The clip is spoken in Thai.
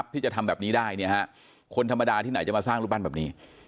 ที่จะทำแบบนี้ได้คนธรรมดาที่ไหนจะมาสร้างรูปปั้นแบบนี้